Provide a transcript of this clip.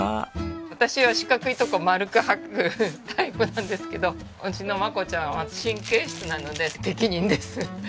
私は四角いとこを丸く掃くタイプなんですけどうちのマコちゃんは神経質なので適任です。